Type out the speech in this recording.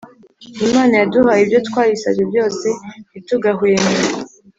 − Imana yaduhaye ibyo twayisabye byose ntitugahweme